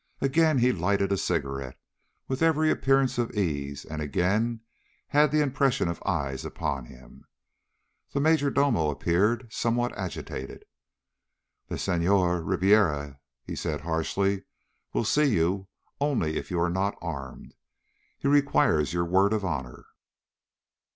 Again he lighted a cigarette with every appearance of ease, and again had the impression of eyes upon him. The major domo appeared, somewhat agitated. "The Senhor Ribiera," he said harshly, "will see you only if you are not armed. He requires your word of honor."